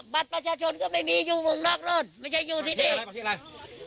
บาทประชาชนก็ไม่มีอยู่เมืองนอกนู้นไม่ใช่อยู่ที่นี่ประเทศอะไร